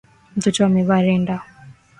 Mtoto amevaa rinda